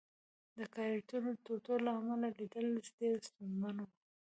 د کانکریټو ټوټو له امله لیدل ډېر ستونزمن وو